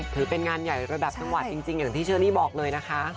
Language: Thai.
ถือเป็นงานใหญ่ระดับจังหวัดจริงอย่างที่เชอรี่บอกเลยนะคะ